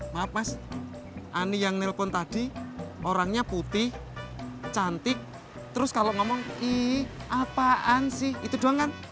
maaf mas ani yang nelpon tadi orangnya putih cantik terus kalau ngomong i apaan sih itu doang kan